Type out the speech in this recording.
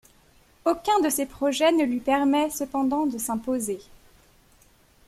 Aucun de ces projets ne lui permet cependant de s'imposer.